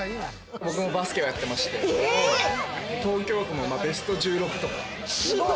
僕もバスケをやってまして東京都のベスト１６とか。